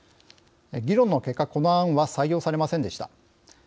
議論の結果、この案は採用されませんでした。